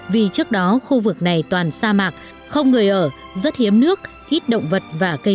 vì trước đó khu vực này toàn sa mạc không người ở rất hiếm nước ít động vật và cây